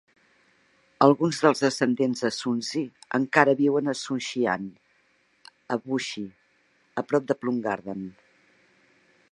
Alguns dels descendents de Sunzi encara viuen a Sunxiang a Wuxi, a prop del Plum Garden.